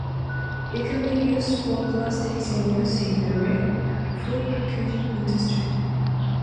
It can be used for plastics in use in the food packaging industry.